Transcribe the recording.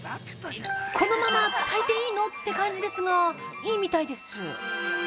◆このまま炊いていいの！？って感じですが、いいみたいです。